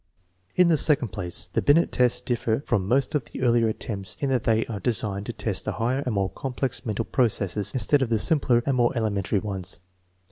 In the .second 1)1000, the "Binet tests differ from most of the earlier attempts iu that they are designed to test the higher and more complex mental processes, instead of the simpler and more elementary ones.